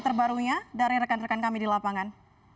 terbarunya dari rekan rekan kami di lapangan